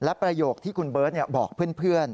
และประโยคที่คุณเบิร์ตบอกเพื่อน